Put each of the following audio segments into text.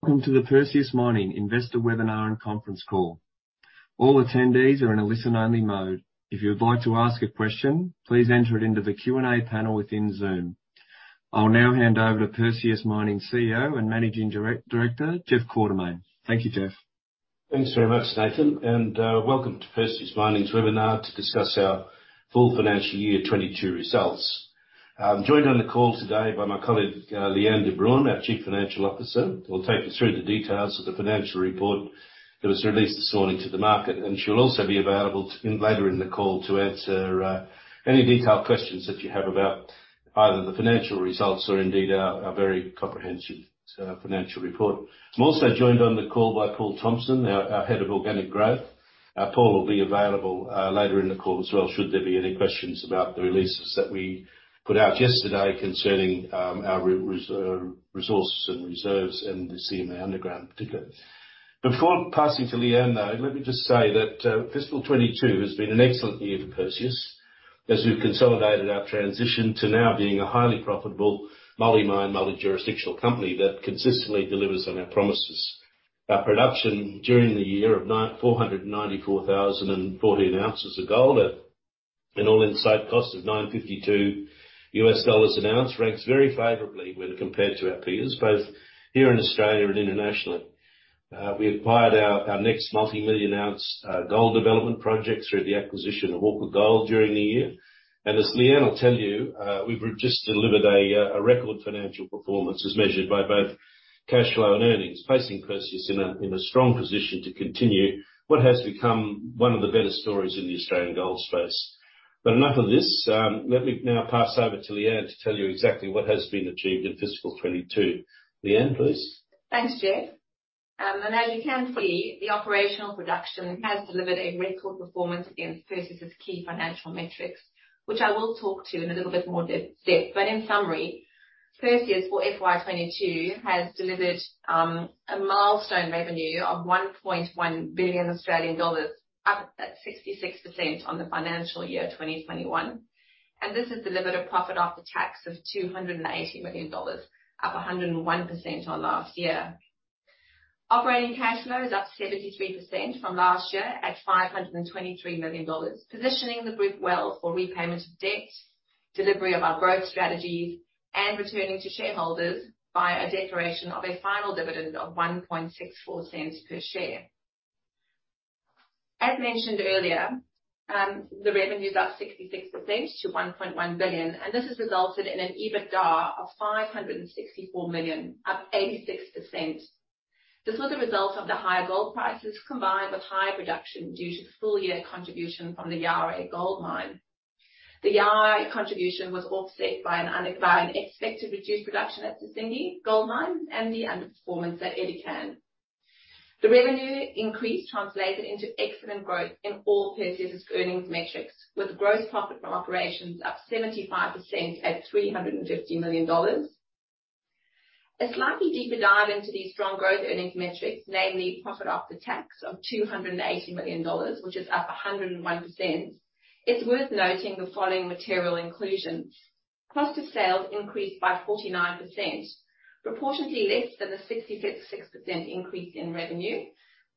Welcome to the Perseus Mining Investor Webinar and Conference Call. All attendees are in a listen only mode. If you would like to ask a question, please enter it into the Q&A panel within Zoom. I'll now hand over to Perseus Mining CEO and Managing Director, Jeff Quartermaine. Thank you, Geoff. Thanks very much, Nathan, and Welcome to Perseus Mining's Webinar to Discuss Our Full Financial Year 2022 Results. I'm joined on the call today by my colleague, Lee-Anne de Bruin, our Chief Financial Officer, who will take you through the details of the financial report that was released this morning to the market. She'll also be available later in the call to answer any detailed questions that you have about either the financial results or indeed our very comprehensive financial report. I'm also joined on the call by Paul Thompson, our Head of Organic Growth. Paul will be available later in the call as well, should there be any questions about the releases that we put out yesterday concerning our resources and reserves and the Yaouré underground in particular. Before passing to Lee-Anne, though, let me just say that, fiscal 2022 has been an excellent year for Perseus, as we've consolidated our transition to now being a highly profitable multi-mine, multi-jurisdictional company that consistently delivers on our promises. Our production during the year of 494,014 ounces of gold at an all-in site cost of $952 an ounce ranks very favorably when compared to our peers, both here in Australia and internationally. We acquired our next multi-million ounce gold development project through the acquisition of Orca Gold during the year. As Lee-Anne will tell you, we've just delivered a record financial performance as measured by both cash flow and earnings, placing Perseus in a strong position to continue what has become one of the better stories in the Australian gold space. Enough of this. Let me now pass over to Lee-Anne to tell you exactly what has been achieved in fiscal 2022. Lee-Anne, please. Thanks, Jeff. As you can see, the operational production has delivered a record performance against Perseus's key financial metrics, which I will talk to in a little bit more depth. In summary, Perseus for FY 2022 has delivered a milestone revenue of 1.1 billion Australian dollars, up 66% on the financial year 2021. This has delivered a profit after tax of 280 million dollars, up 101% on last year. Operating cash flow is up 73% from last year at 523 million dollars, positioning the group well for repayment of debt, delivery of our growth strategies, and returning to shareholders via a declaration of a final dividend of 0.0164 per share. As mentioned earlier, the revenue's up 66% to 1.1 billion, and this has resulted in an EBITDA of 564 million, up 86%. This was a result of the higher gold prices combined with higher production due to full-year contribution from the Yaouré Gold Mine. The Yaouré contribution was offset by an expected reduced production at Sissingué Gold Mine and the underperformance at Edikan. The revenue increase translated into excellent growth in all Perseus' earnings metrics, with gross profit from operations up 75% at 350 million dollars. A slightly deeper dive into the strong growth earnings metrics, namely profit after tax of 280 million dollars, which is up 101%. It's worth noting the following material inclusions. Cost of sales increased by 49%, proportionately less than the 66% increase in revenue.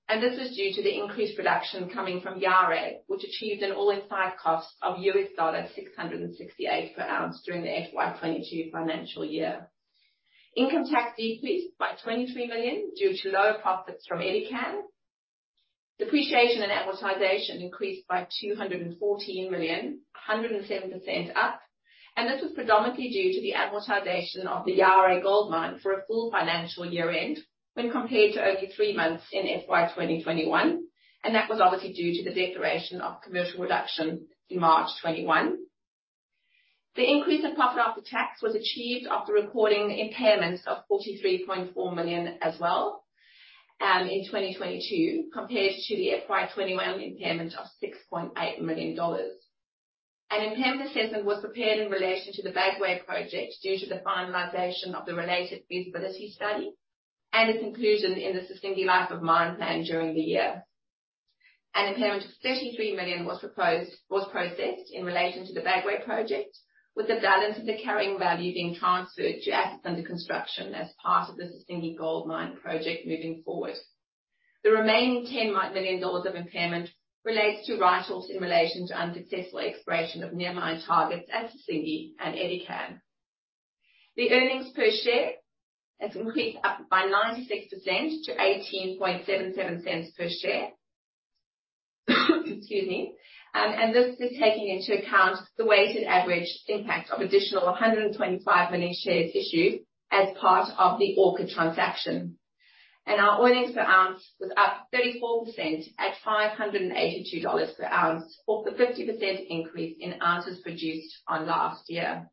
This was due to the increased production coming from Yaouré, which achieved an all-in site cost of AUD 668 per ounce during the FY 2022 financial year. Income tax decreased by 23 million due to lower profits from Edikan. Depreciation and amortization increased by 214 million, 107% up. This was predominantly due to the amortization of the Yaouré Gold Mine for a full financial year-end, when compared to only three months in FY 2021, and that was obviously due to the declaration of commercial production in March 2021. The increase in profit after tax was achieved after recording impairments of 43.4 million as well, in 2022, compared to the FY 2021 impairment of 6.8 million dollars. An impairment assessment was prepared in relation to the Bagoé project due to the finalization of the related feasibility study and its inclusion in the sustaining Life of Mine plan during the year. An impairment of 33 million was processed in relation to the Bagoé project, with the balance of the carrying value being transferred to assets under construction as part of the Sissingué Gold Mine project moving forward. The remaining 10 million dollars of impairment relates to write-offs in relation to unsuccessful exploration of near-mine targets at Sissingué and Edikan. The earnings per share has increased up by 96% to 0.1877 per share. Excuse me. This is taking into account the weighted average impact of additional 125 million shares issued as part of the Orca transaction. Our earnings per ounce was up 34% at $582 per ounce, or the 50% increase in ounces produced on last year.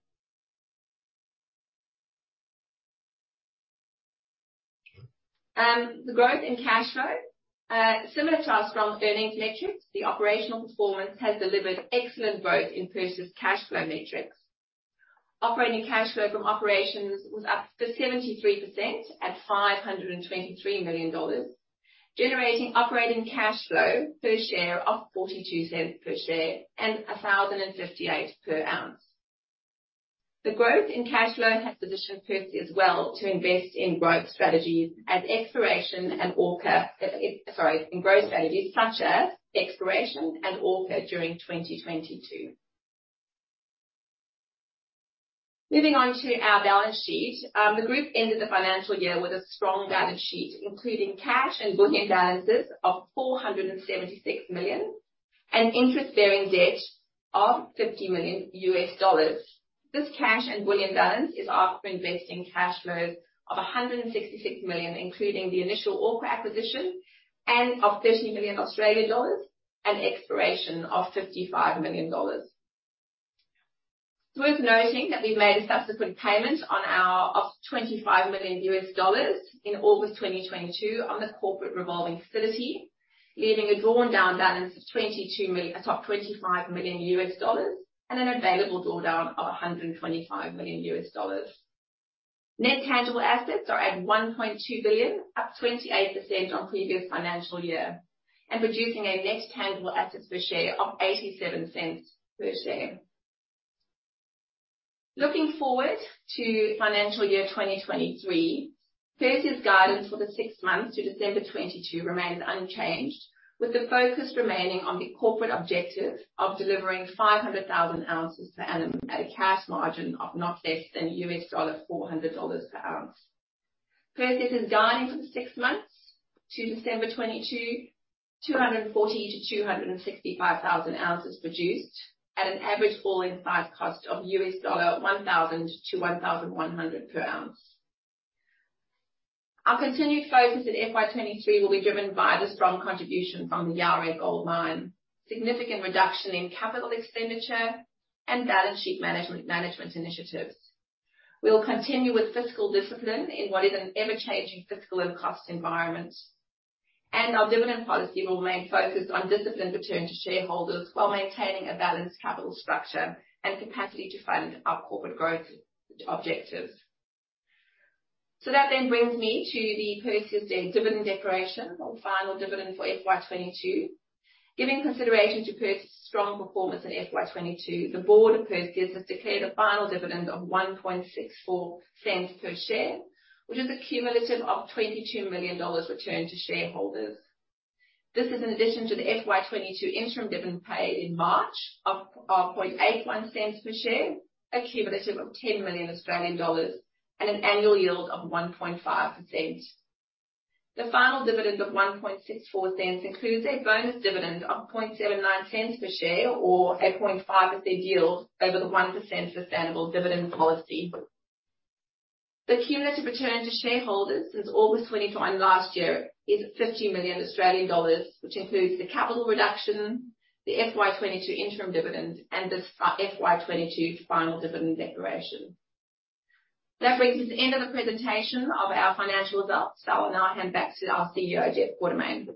The growth in cash flow, similar to our strong earnings metrics, the operational performance has delivered excellent growth in Perseus' cash flow metrics. Operating cash flow from operations was up 73% at 523 million dollars, generating operating cash flow per share of 0.42 per share and 1,058 per ounce. The growth in cash flow has positioned Perseus as well to invest in growth strategies such as exploration and Orca during 2022. Moving on to our balance sheet. The group ended the financial year with a strong balance sheet, including cash and bullion balances of $476 million, and interest-bearing debt of $50 million. This cash and bullion balance is after investing cash flows of 166 million, including the initial Orca acquisition of 30 million Australian dollars and exploration of 55 million dollars. It's worth noting that we've made a subsequent payment of AUD 25 million in August 2022 on the corporate revolving facility, leaving a drawn down balance of $25 million and an available draw down of $125 million. Net tangible assets are at 1.2 billion, up 28% on previous financial year, and producing a net tangible assets per share of 0.87 per share. Looking forward to financial year 2023, Perseus' guidance for the six months to December 2022 remains unchanged, with the focus remaining on the corporate objective of delivering 500,000 ounces per annum at a cash margin of not less than $400 per ounce. Perseus' is guiding for the six months to December 2022, 240,000-265,000 ounces produced at an average all-in site cost of $1,000-$1,100 per ounce. Our continued focus in FY 2023 will be driven by the strong contribution from the Yaouré Gold Mine, significant reduction in capital expenditure and balance sheet management initiatives. We will continue with fiscal discipline in what is an ever-changing fiscal and cost environment. Our dividend policy will remain focused on disciplined return to shareholders while maintaining a balanced capital structure and capacity to fund our corporate growth objectives. That brings me to the Perseus' dividend declaration of final dividend for FY 2022. Giving consideration to Perseus' strong performance in FY 2022, the board of Perseus' has declared a final dividend of 0.0164 per share, which is a cumulative of 22 million dollars returned to shareholders. This is in addition to the FY 2022 interim dividend paid in March of 0.0081 per share, a cumulative of 10 million Australian dollars, and an annual yield of 1.5%. The final dividend of 0.0164 includes a bonus dividend of 0.0079 per share, or a 0.5% yield over the 1% sustainable dividend policy. The cumulative return to shareholders since August 25 last year is 50 million Australian dollars, which includes the capital reduction, the FY 2022 interim dividend, and the FY 2022 final dividend declaration. That brings me to the end of the presentation of our financial results. I'll now hand back to our CEO, Jeff Quartermaine.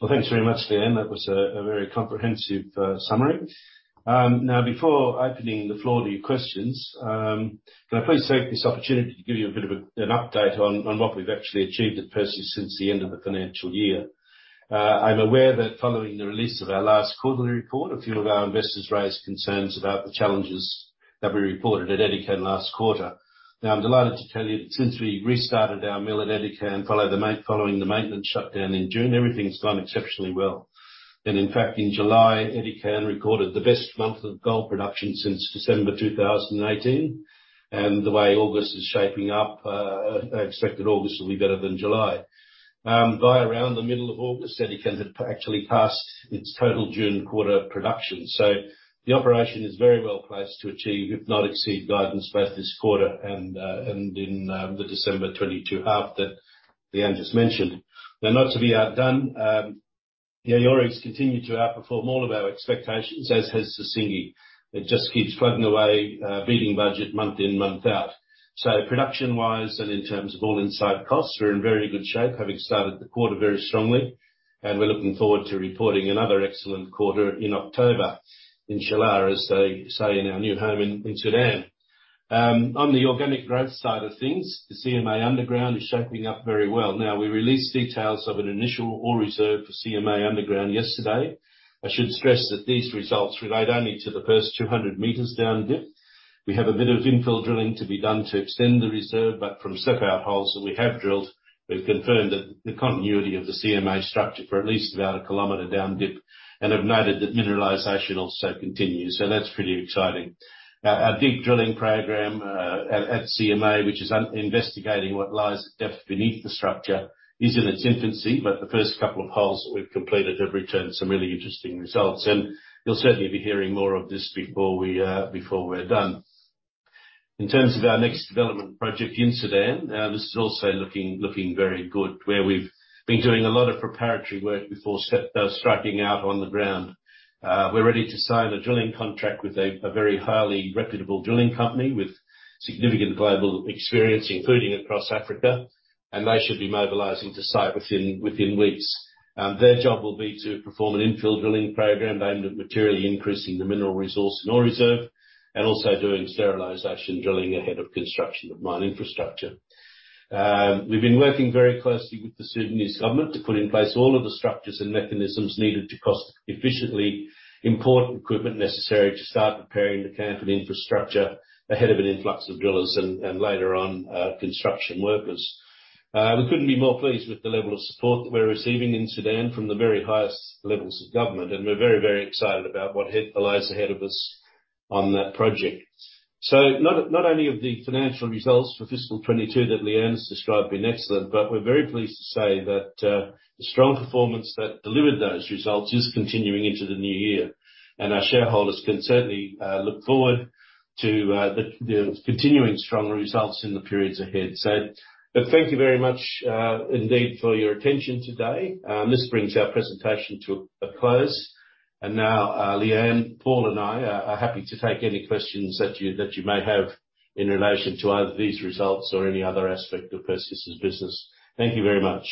Well, thanks very much, Lee-Anne. That was a very comprehensive summary. Now, before opening the floor to your questions, can I please take this opportunity to give you a bit of an update on what we've actually achieved at Perseus since the end of the financial year. I'm aware that following the release of our last quarterly report, a few of our investors raised concerns about the challenges that we reported at Edikan last quarter. Now, I'm delighted to tell you that since we restarted our mill at Edikan following the maintenance shutdown in June, everything's gone exceptionally well. In fact, in July, Edikan recorded the best month of gold production since December 2018. The way August is shaping up, I expect that August will be better than July. By around the middle of August, Edikan had actually passed its total June quarter production. The operation is very well placed to achieve, if not exceed, guidance both this quarter and in the December 2022 half that Lee-Anne just mentioned. Now, not to be outdone, the Yaouré's continued to outperform all of our expectations, as has Sissingué. It just keeps chugging away, beating budget month in, month out. Production-wise, and in terms of all-in site costs, we're in very good shape, having started the quarter very strongly. We're looking forward to reporting another excellent quarter in October, Inshallah, as they say in our new home in Sudan. On the organic growth side of things, the CMA underground is shaping up very well. Now, we released details of an initial ore reserve for CMA underground yesterday. I should stress that these results relate only to the first 200 m down dip. We have a bit of infill drilling to be done to extend the reserve, but from step out holes that we have drilled, we've confirmed that the continuity of the CMA structure for at least about a kilometer down dip and have noted that mineralization also continues. That's pretty exciting. Our deep drilling program at CMA, which is investigating what lies at depth beneath the structure is in its infancy, but the first couple of holes we've completed have returned some really interesting results. You'll certainly be hearing more of this before we're done. In terms of our next development project in Sudan, this is also looking very good, where we've been doing a lot of preparatory work before striking out on the ground. We're ready to sign a drilling contract with a very highly reputable drilling company with significant global experience, including across Africa, and they should be mobilizing to site within weeks. Their job will be to perform an infill drilling program aimed at materially increasing the mineral resource and ore reserve, and also doing sterilization drilling ahead of construction of mine infrastructure. We've been working very closely with the Sudanese government to put in place all of the structures and mechanisms needed to cost efficiently import equipment necessary to start preparing the camp and infrastructure ahead of an influx of drillers and later on construction workers. We couldn't be more pleased with the level of support that we're receiving in Sudan from the very highest levels of government. We're very, very excited about what lies ahead of us on that project. Not only have the financial results for fiscal 22 that Lee-Anne has described been excellent, but we're very pleased to say that the strong performance that delivered those results is continuing into the new year. Our shareholders can certainly look forward to the continuing strong results in the periods ahead. Thank you very much, indeed for your attention today. This brings our presentation to a close. Now, Lee-Anne, Paul, and I are happy to take any questions that you may have in relation to either these results or any other aspect of Perseus' business. Thank you very much.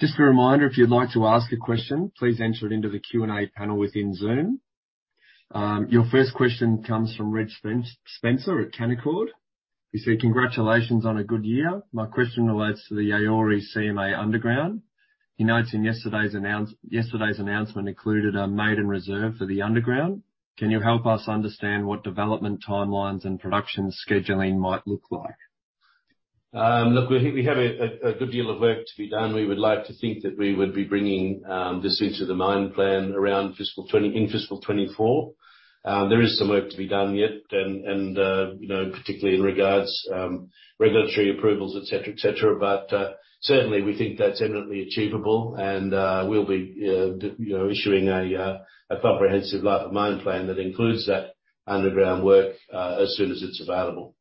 Just a reminder, if you'd like to ask a question, please enter it into the Q&A panel within Zoom. Your first question comes from Reg Spencer at Canaccord Genuity. He said, "Congratulations on a good year. My question relates to the Yaouré CMA underground." He notes in yesterday's announcement, "Yesterday's announcement included a maiden reserve for the underground. Can you help us understand what development timelines and production scheduling might look like? Look, we have a good deal of work to be done. We would like to think that we would be bringing this into the mine plan around fiscal 2024. There is some work to be done yet and you know, particularly in regards to regulatory approvals, et cetera, et cetera. Certainly we think that's eminently achievable and we'll be you know issuing a comprehensive Life of Mine plan that includes that underground work as soon as it's available.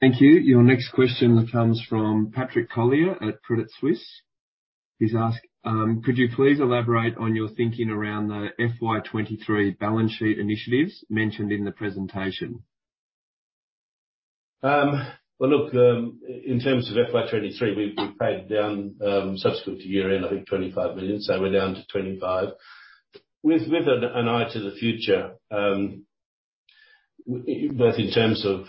Thank you. Your next question comes from Patrick Collier at Credit Suisse. He's asked, "Could you please elaborate on your thinking around the FY 2023 balance sheet initiatives mentioned in the presentation? Well, look, in terms of FY 2023, we've paid down, subsequent to year-end, I think 25 million, so we're down to 25 million. With an eye to the future, both in terms of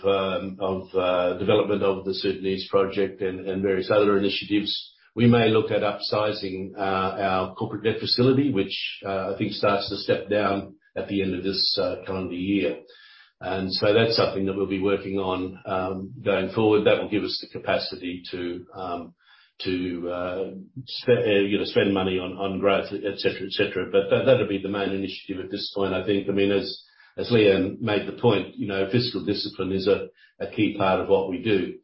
development of the Sudan project and various other initiatives, we may look at upsizing our corporate debt facility, which I think starts to step down at the end of this calendar year. That's something that we'll be working on going forward. That will give us the capacity to you know, spend money on growth, et cetera, et cetera. That'll be the main initiative at this point, I think. I mean, as Leanne made the point, you know, fiscal discipline is a key part of what we do.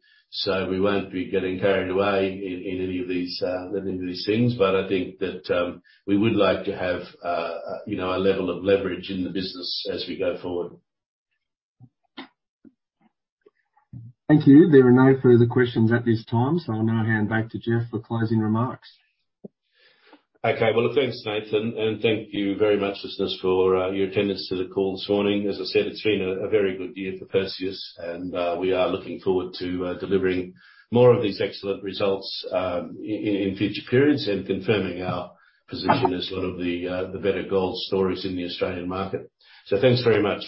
We won't be getting carried away in any of these things. I think that we would like to have, you know, a level of leverage in the business as we go forward. Thank you. There are no further questions at this time. I'll now hand back to Jeff for closing remarks. Okay. Well, thanks, Nathan. Thank you very much, listeners, for your attendance to the call this morning. As I said, it's been a very good year for Perseus, and we are looking forward to delivering more of these excellent results in future periods and confirming our position as one of the better gold stories in the Australian market. Thanks very much.